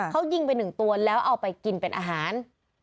เขายิงไป๑ตัวแล้วเอาไปกินเป็นอาหาร